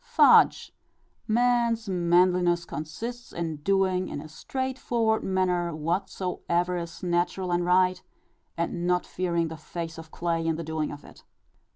Fudge! Man's manliness consists in doing, in a straightforward manner, whatsoever is natural and right, and not fearing the face of clay in the doing of it.